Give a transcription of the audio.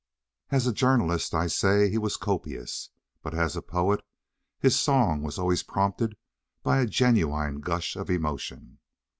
As a journalist, I say, he was copious; but as a poet his song was always prompted by a genuine gush of emotion.